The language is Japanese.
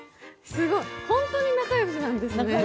すごい、本当に仲良しなんですね。